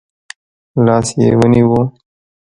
لاس يې ونیو.